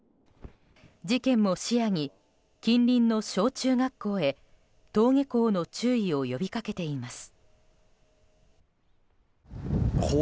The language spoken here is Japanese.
事件も視野に近隣の小中学校へ登下校の注意を呼び掛けています。